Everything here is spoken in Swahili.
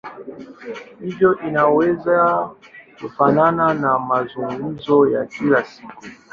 Hivyo inaweza kufanana na mazungumzo ya kila siku.